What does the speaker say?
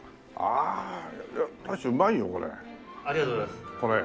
ありがとうございます。